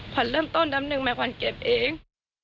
ขวัญเริ่มต้นดำหนึ่งไหมขวัญเก็บเอง